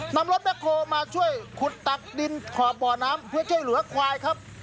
นำรถแบ็คโฮลมาช่วยขุดตักดินขอบบ่อน้ำเพื่อช่วยเหลือควายครับ